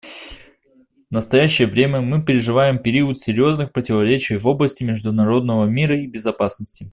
В настоящее время мы переживаем период серьезных противоречий в области международного мира и безопасности.